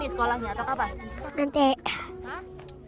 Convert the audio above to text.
sudah sekolah belum